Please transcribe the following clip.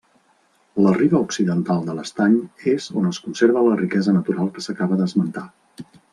La riba occidental de l'estany és on es conserva la riquesa natural que s'acaba d'esmentar.